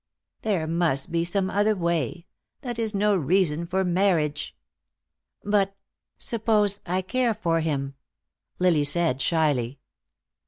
"There must be some other way. That is no reason for marriage." "But suppose I care for him?" Lily said, shyly.